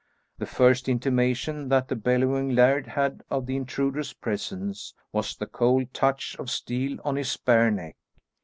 The first intimation that the bellowing laird had of the intruder's presence was the cold touch of steel on his bare neck.